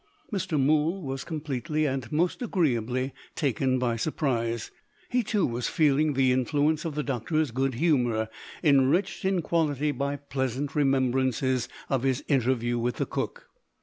Mr. Mool was completely, and most agreeably, taken by surprise. He too was feeling the influence of the doctor's good humour enriched in quality by pleasant remembrances of his interview with the cook.